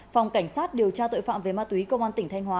phòng cảnh sát điều tra tội phạm về ma túy công an tỉnh thanh hóa